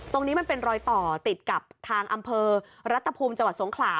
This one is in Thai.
ตรงนี้มันเป็นรอยต่อติดกับทางอำเภอรัฐภูมิจังหวัดสงขลา